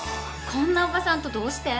こんなおばさんとどうして？